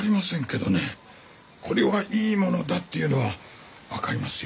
これはいいものだっていうのは分かりますよ。